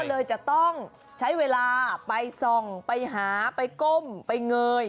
ก็เลยจะต้องใช้เวลาไปส่องไปหาไปก้มไปเงย